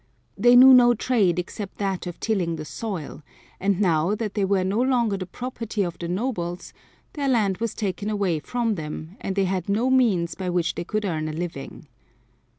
They knew no trade except that of tilling the soil, and now that they were no longer the property of the nobles, their land was taken away from them and they had no means by which they could earn a living.